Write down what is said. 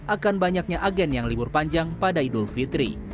akan banyaknya agen yang libur panjang pada idul fitri